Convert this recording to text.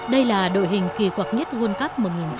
đây là đội hình kì quặc nhất world cup một nghìn chín trăm ba mươi tám